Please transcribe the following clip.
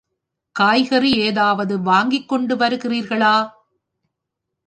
காய்கறி ஏதாவது வாங்கிக் கொண்டு வருகிறீர்களா?